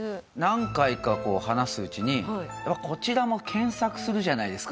何回か話すうちにこちらも検索するじゃないですか。